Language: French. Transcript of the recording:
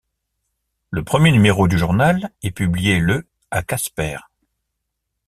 Le premier numéro du journal est publié le à Casper.